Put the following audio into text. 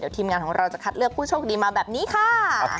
ทีมงานของเราจะคัดเลือกผู้โชคดีมาแบบนี้ค่ะ